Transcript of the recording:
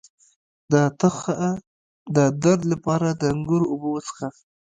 د تخه د درد لپاره د انګور اوبه وڅښئ